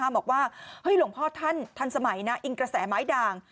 บอกว่าหลวงพ่อท่านทันสมัยนะอิงกระแสไม้ด่าง